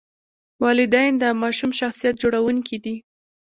والدین د ماشوم شخصیت جوړونکي دي.